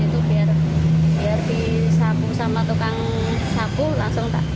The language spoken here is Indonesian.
itu biar disapu sama tukang sapu langsung tak